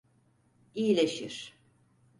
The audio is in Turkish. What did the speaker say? İyileşir.